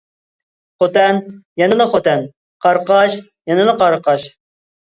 خوتەن يەنىلا خوتەن، قاراقاش يەنىلا قاراقاش.